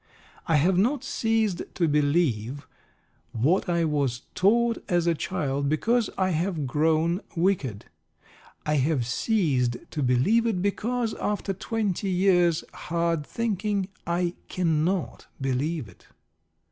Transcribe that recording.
I have not ceased to believe what I was taught as a child because I have grown wicked. I have ceased to believe it because, after twenty years' hard thinking, I cannot believe it.